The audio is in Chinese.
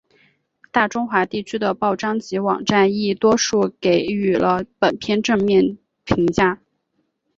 大中华地区的报章及网站亦多数给予了本片正面评价。